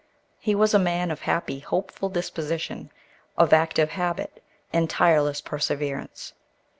He was a man of happy, hopeful disposition, of active habit and tireless perseverance.